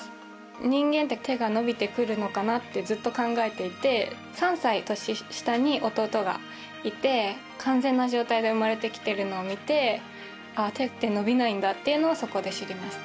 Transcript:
人間って手が伸びてくるのかなとずっと考えていて３歳年下に弟がいて完全な状態で生まれてきているのを見てああ、手って伸びないんだっていうのをそこで知りました。